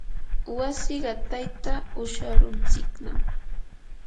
wasi qatayta usharuntsiknam.